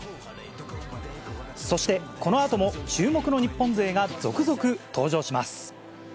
そして、このあとも注目の日本勢が続々登場します。